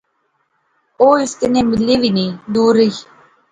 او اس کنے ملی وی نئیں، دور رہی